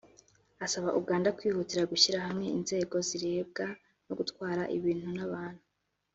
asaba Uganda kwihutira gushyira hamwe inzego zirebwa no gutwara ibintu n’abantu